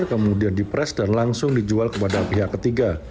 kemudian dipres dan langsung dijual kepada pihak ketiga